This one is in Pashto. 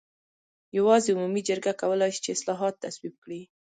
یوازې عمومي جرګه کولای شي چې اصلاحات تصویب کړي.